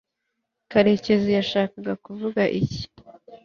karekezi yashakaga kuvuga iki